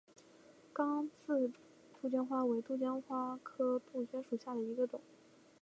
刚刺杜鹃为杜鹃花科杜鹃属下的一个种。